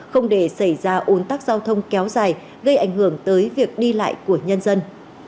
không để xảy ra ồn tắc giao thông kéo dài gây ảnh hưởng tới việc đi lại của nhân dân